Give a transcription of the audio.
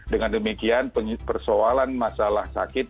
dengan demikian persoalan masalah sakit